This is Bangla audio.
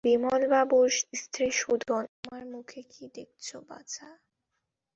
বিমলবাবুর স্ত্রী শুধোন, আমার মুখে কী দেখছ বাছা।